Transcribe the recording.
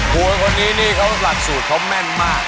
หัวคนนี้นี่เขาหลักสูตรเขาแม่นมาก